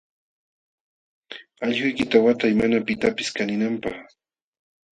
Allquykita watay mana pitapis kaninanpaq.